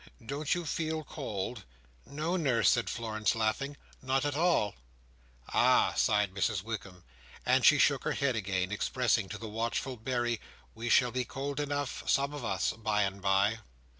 Don't you feel cold?" "No, nurse," said Florence, laughing. "Not at all." "Ah!" sighed Mrs Wickam, and she shook her head again, expressing to the watchful Berry, "we shall be cold enough, some of us, by and by!"